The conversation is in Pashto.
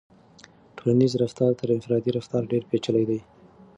ټولنیز رفتار تر انفرادي رفتار ډېر پیچلی دی.